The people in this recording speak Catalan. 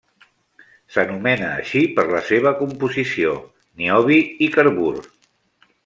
S'anomena així per la seva composició: niobi i carbur.